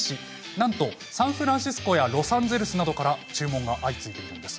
なんとサンフランシスコやロサンゼルスなどから注文が相次いでいるんです。